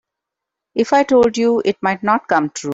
If I told you it might not come true.